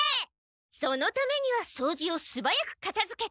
そのためにはそうじをすばやくかたづけて。